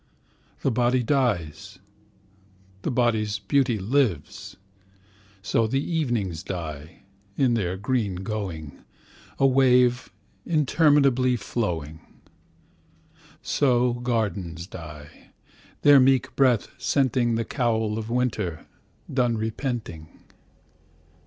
The body dies; the body's beauty lives. So evenings die, in their green going,A wave, interminably flowing. So gardens die, their meek breath scentingThe cowl of Winter, done repenting.